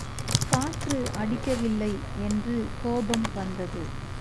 காற்று அடிக்கவில்லை என்று கோபம் வந்தது.